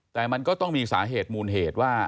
แต่มันก็ต้องมีสาเหตุมูลเหตุว่า